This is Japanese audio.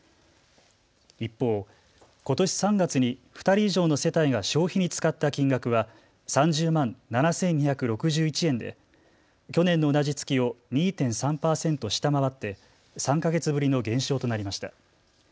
一方、ことし３月に２人以上の世帯が消費に使った金額は３０万７２６１円で去年の同じ月を２．３％下回って３か月ぶりの減少となりました。